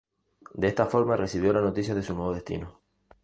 De esta forma recibió la noticia de su nuevo destino.